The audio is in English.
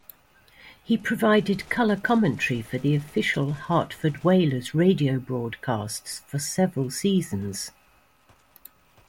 He provided color commentary for the official Hartford Whalers radio broadcasts for several seasons.